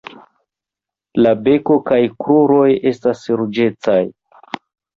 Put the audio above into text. La beko kaj kruroj estas ruĝecaj.